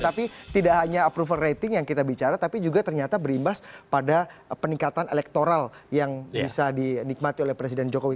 tapi tidak hanya approval rating yang kita bicara tapi juga ternyata berimbas pada peningkatan elektoral yang bisa dinikmati oleh presiden jokowi